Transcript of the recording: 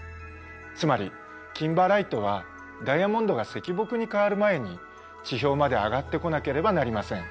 つまりキンバーライトはダイヤモンドが石墨に変わる前に地表まで上がってこなければなりません。